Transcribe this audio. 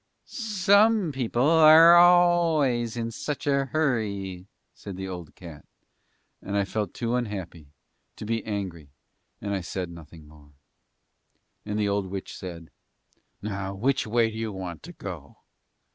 "Some people are always in such a hurry," said the old black cat. And I felt too unhappy to be angry and I said nothing more. And the old witch said, "Now which way do you want to go?"